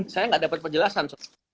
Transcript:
saya nggak dapat penjelasan